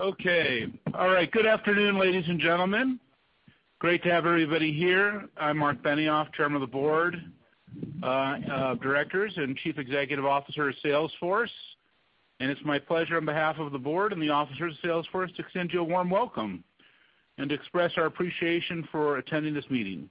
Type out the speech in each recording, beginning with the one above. Good afternoon, ladies and gentlemen. Great to have everybody here. I'm Marc Benioff, Chairman of the Board of Directors and Chief Executive Officer of Salesforce, it's my pleasure on behalf of the board and the officers of Salesforce to extend you a warm welcome and express our appreciation for attending this meeting.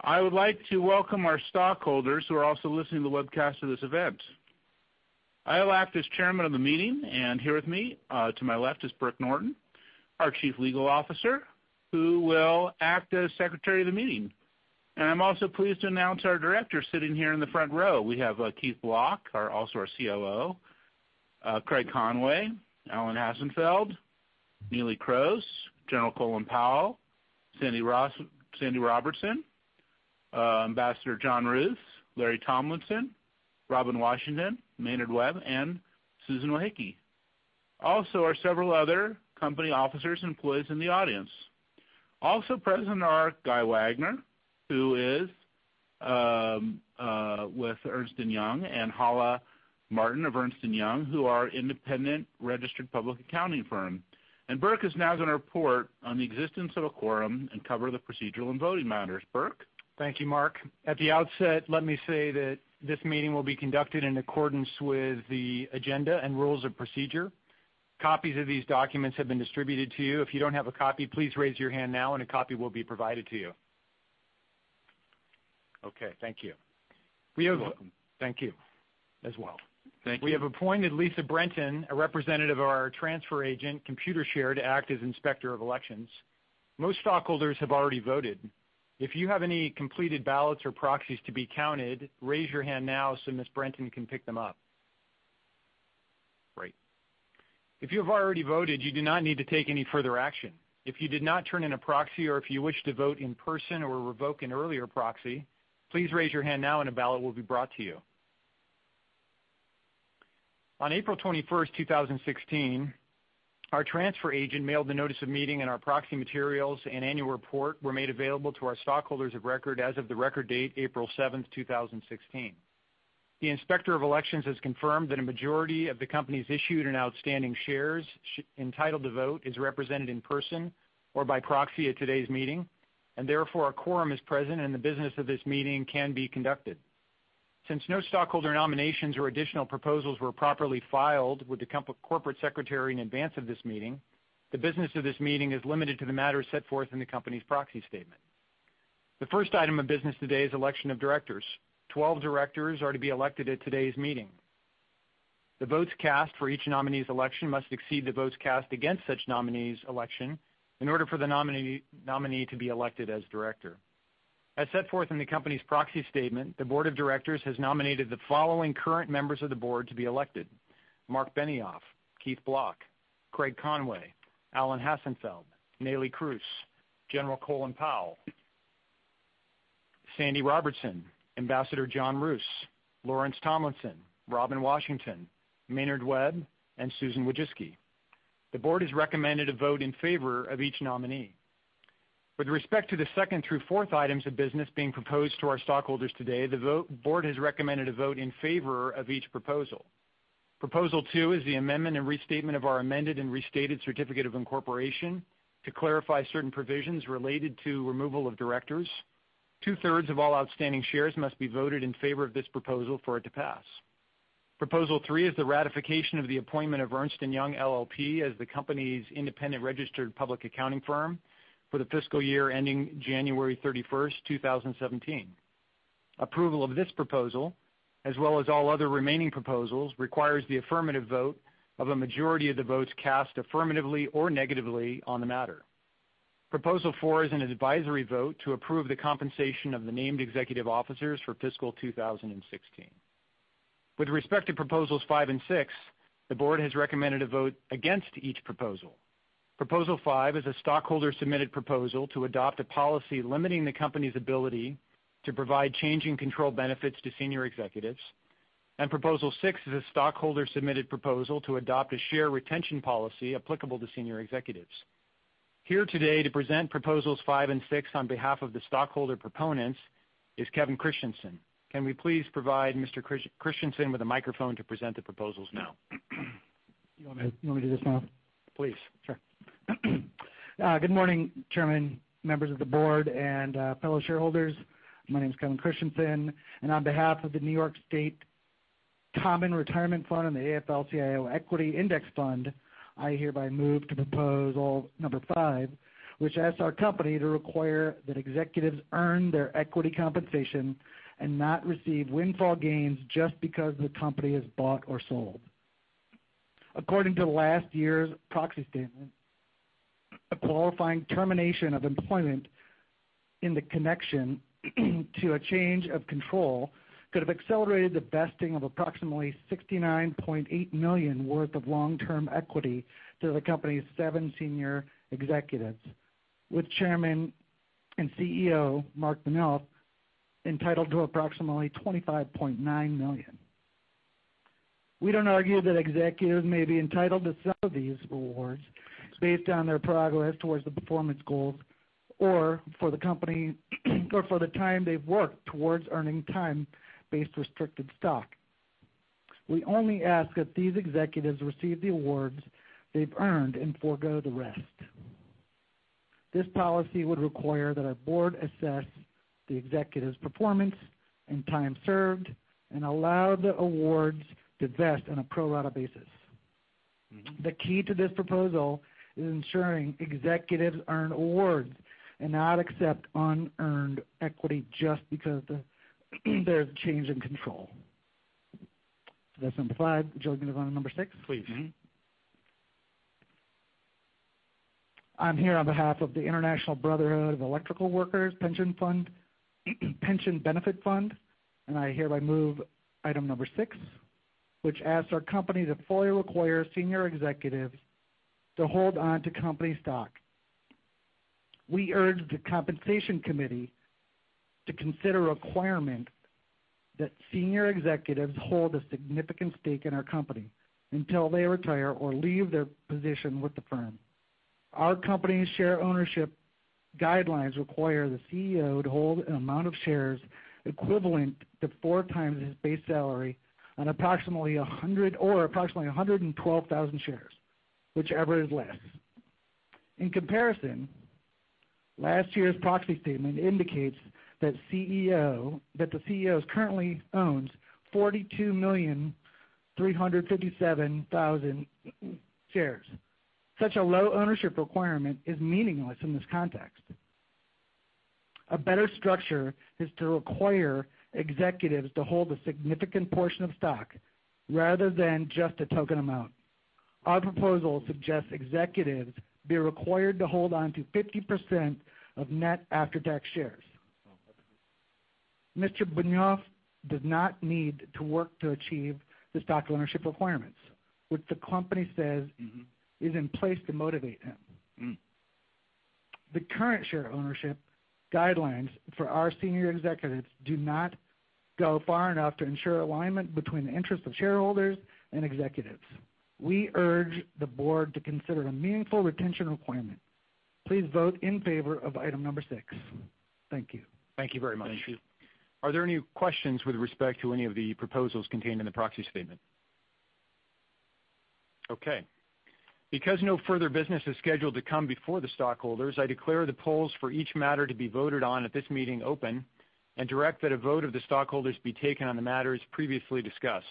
I would like to welcome our stockholders who are also listening to the webcast of this event. I'll act as chairman of the meeting, and here with me, to my left, is Burke Norton, our Chief Legal Officer, who will act as secretary of the meeting. I'm also pleased to announce our directors sitting here in the front row. We have Keith Block, also our COO, Craig Conway, Alan Hassenfeld, Neelie Kroes, General Colin Powell, Sandy Robertson, Ambassador John Roos, Lawrence Tomlinson, Robin Washington, Maynard Webb, and Susan Wojcicki. Also are several other company officers and employees in the audience. Also present are Guy Wagner, who is with Ernst & Young, and Hala Martin of Ernst & Young, who are our independent registered public accounting firm. Burke is now going to report on the existence of a quorum and cover the procedural and voting matters. Burke? Thank you, Marc. At the outset, let me say that this meeting will be conducted in accordance with the agenda and rules of procedure. Copies of these documents have been distributed to you. If you don't have a copy, please raise your hand now and a copy will be provided to you. Okay, thank you. You're welcome. Thank you as well. Thank you. We have appointed Lisa Brenton, a representative of our transfer agent, Computershare, to act as Inspector of Elections. Most stockholders have already voted. If you have any completed ballots or proxies to be counted, raise your hand now so Ms. Brenton can pick them up. Great. If you have already voted, you do not need to take any further action. If you did not turn in a proxy or if you wish to vote in person or revoke an earlier proxy, please raise your hand now and a ballot will be brought to you. On April 21st, 2016, our transfer agent mailed the notice of meeting and our proxy materials and annual report were made available to our stockholders of record as of the record date April 7th, 2016. The Inspector of Elections has confirmed that a majority of the company's issued and outstanding shares entitled to vote is represented in person or by proxy at today's meeting, and therefore, a quorum is present and the business of this meeting can be conducted. Since no stockholder nominations or additional proposals were properly filed with the corporate secretary in advance of this meeting, the business of this meeting is limited to the matters set forth in the company's proxy statement. The first item of business today is election of directors. 12 directors are to be elected at today's meeting. The votes cast for each nominee's election must exceed the votes cast against such nominee's election in order for the nominee to be elected as director. As set forth in the company's proxy statement, the board of directors has nominated the following current members of the board to be elected: Marc Benioff, Keith Block, Craig Conway, Alan Hassenfeld, Neelie Kroes, General Colin Powell, Sandy Robertson, Ambassador John Roos, Lawrence Tomlinson, Robin Washington, Maynard Webb, and Susan Wojcicki. The board has recommended a vote in favor of each nominee. With respect to the second through fourth items of business being proposed to our stockholders today, the board has recommended a vote in favor of each proposal. Proposal two is the amendment and restatement of our amended and restated certificate of incorporation to clarify certain provisions related to removal of directors. Two-thirds of all outstanding shares must be voted in favor of this proposal for it to pass. Proposal three is the ratification of the appointment of Ernst & Young LLP as the company's independent registered public accounting firm for the fiscal year ending January 31st, 2017. Approval of this proposal, as well as all other remaining proposals, requires the affirmative vote of a majority of the votes cast affirmatively or negatively on the matter. Proposal four is an advisory vote to approve the compensation of the named executive officers for fiscal 2016. With respect to proposals five and six, the board has recommended a vote against each proposal. Proposal five is a stockholder-submitted proposal to adopt a policy limiting the company's ability to provide change-in-control benefits to senior executives, and proposal six is a stockholder-submitted proposal to adopt a share retention policy applicable to senior executives. Here today to present proposals five and six on behalf of the stockholder proponents is Kevin Christensen. Can we please provide Mr. Christensen with a microphone to present the proposals now? You want me to do this now? Please. Sure. Good morning, Chairman, members of the board, and fellow shareholders. My name's Kevin Christensen, and on behalf of the New York State Common Retirement Fund and the AFL-CIO Equity Index Fund, I hereby move to proposal number five, which asks our company to require that executives earn their equity compensation and not receive windfall gains just because the company is bought or sold. According to last year's proxy statement, a qualifying termination of employment in the connection to a change of control could have accelerated the vesting of approximately $69.8 million worth of long-term equity to the company's seven senior executives, with Chairman and CEO Marc Benioff entitled to approximately $25.9 million. We don't argue that executives may be entitled to some of these rewards based on their progress towards the performance goals for the time they've worked towards earning time-based restricted stock. We only ask that these executives receive the awards they've earned and forego the rest. This policy would require that our board assess the executive's performance and time served and allow the awards to vest on a pro rata basis. The key to this proposal is ensuring executives earn awards and not accept unearned equity just because of their change in control. That's number five. Would you like me to go on to number six? Please. I'm here on behalf of the International Brotherhood of Electrical Workers Pension Benefit Fund, I hereby move item number six, which asks our company to fully require senior executives to hold on to company stock. We urge the compensation committee to consider a requirement that senior executives hold a significant stake in our company until they retire or leave their position with the firm. Our company's share ownership guidelines require the CEO to hold an amount of shares equivalent to four times his base salary or approximately 112,000 shares, whichever is less. In comparison, last year's proxy statement indicates that the CEO currently owns 42,357,000 shares. Such a low ownership requirement is meaningless in this context. A better structure is to require executives to hold a significant portion of stock rather than just a token amount. Our proposal suggests executives be required to hold on to 50% of net after-tax shares. Mr. Benioff does not need to work to achieve the stock ownership requirements, which the company says is in place to motivate him. The current share ownership guidelines for our senior executives do not go far enough to ensure alignment between the interests of shareholders and executives. We urge the board to consider a meaningful retention requirement. Please vote in favor of item number six. Thank you. Thank you very much. Thank you. Are there any questions with respect to any of the proposals contained in the proxy statement? Okay. Because no further business is scheduled to come before the stockholders, I declare the polls for each matter to be voted on at this meeting open and direct that a vote of the stockholders be taken on the matters previously discussed.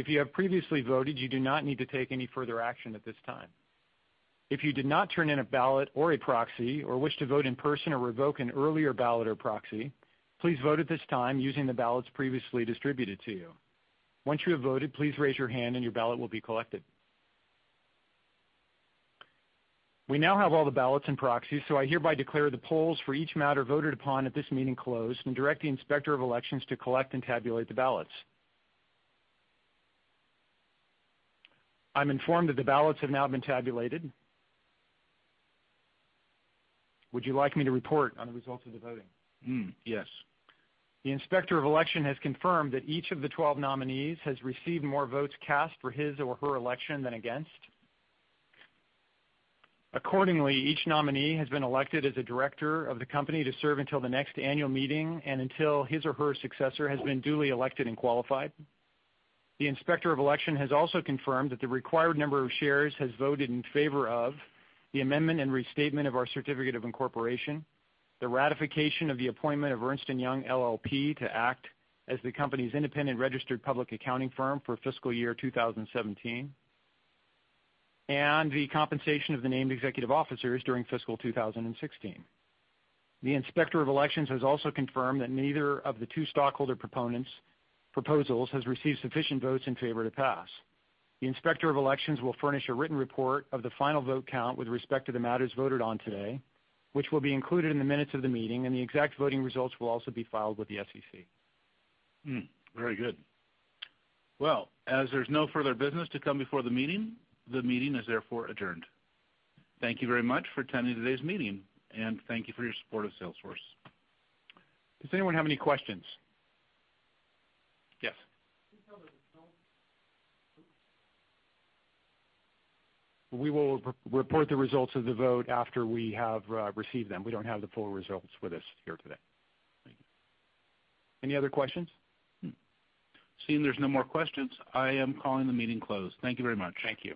If you have previously voted, you do not need to take any further action at this time. If you did not turn in a ballot or a proxy or wish to vote in person or revoke an earlier ballot or proxy, please vote at this time using the ballots previously distributed to you. Once you have voted, please raise your hand and your ballot will be collected. We now have all the ballots and proxies, I hereby declare the polls for each matter voted upon at this meeting closed and direct the Inspector of Elections to collect and tabulate the ballots. I'm informed that the ballots have now been tabulated. Would you like me to report on the results of the voting? Yes. The Inspector of Election has confirmed that each of the 12 nominees has received more votes cast for his or her election than against. Accordingly, each nominee has been elected as a director of the company to serve until the next annual meeting and until his or her successor has been duly elected and qualified. The Inspector of Election has also confirmed that the required number of shares has voted in favor of the amendment and restatement of our certificate of incorporation, the ratification of the appointment of Ernst & Young LLP to act as the company's independent registered public accounting firm for fiscal year 2017, and the compensation of the named executive officers during fiscal 2016. The Inspector of Elections has also confirmed that neither of the two stockholder proponents' proposals has received sufficient votes in favor to pass. The Inspector of Elections will furnish a written report of the final vote count with respect to the matters voted on today, which will be included in the minutes of the meeting. The exact voting results will also be filed with the SEC. Very good. Well, as there's no further business to come before the meeting, the meeting is therefore adjourned. Thank you very much for attending today's meeting, and thank you for your support of Salesforce. Does anyone have any questions? Yes. Can you tell us the results? We will report the results of the vote after we have received them. We don't have the full results with us here today. Thank you. Any other questions? Seeing there's no more questions, I am calling the meeting closed. Thank you very much. Thank you.